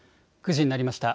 ９時になりました。